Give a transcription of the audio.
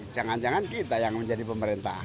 jangan jangan kita yang menjadi pemerintah